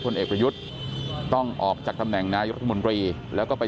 เอกประยุทธ์ต้องออกจากตำแหน่งนายรัฐมนตรีแล้วก็ไป